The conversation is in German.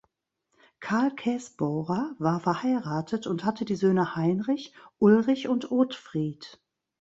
Karl Kässbohrer war verheiratet und hatte die Söhne Heinrich, Ulrich und Otfried.